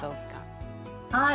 はい。